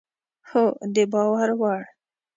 هو، د باور وړ